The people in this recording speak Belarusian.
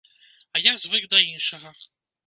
А я звык да іншага.